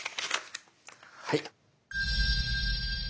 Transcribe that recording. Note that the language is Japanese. はい。